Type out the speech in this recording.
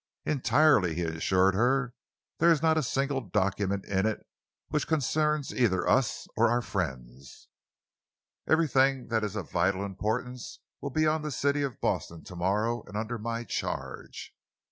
"Entirely," he assured her. "There is not a single document in it which concerns either us or our friends. Everything that is of vital importance will be on the City of Boston to morrow and under my charge."